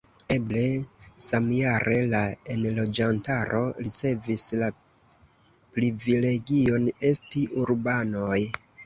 Eble samjare la enloĝantaro ricevis la privilegion esti urbanoj.